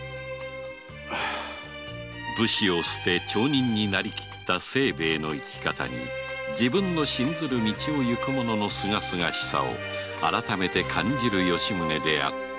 武士を捨て町人になりきった清兵衛の生き方に信ずる道を行く者の清々しさを改めて感じる吉宗であった